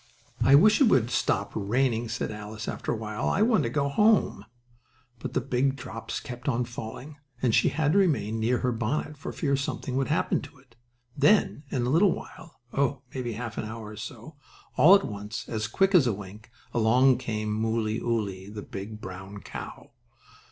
"I wish it would stop raining," said Alice, after a while. "I want to go home," but the big drops kept on falling, and she had to remain near her bonnet for fear something would happen to it. Then, in a little while, oh, maybe half an hour or so, all at once as quick as a wink, along came Mooleyooly, the big brown cow.